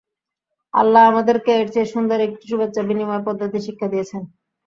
আল্লাহ আমাদেরকে এর চেয়ে সুন্দর একটি শুভেচ্ছা বিনিময় পদ্ধতি শিক্ষা দিয়েছেন।